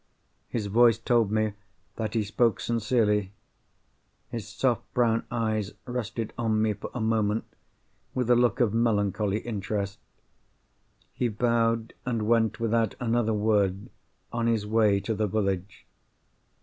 His voice told me that he spoke sincerely. His soft brown eyes rested on me for a moment with a look of melancholy interest. He bowed, and went, without another word, on his way to the village.